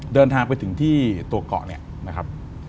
เดินทางไปถึงที่ตัวเกาะเนี่ยนะครับ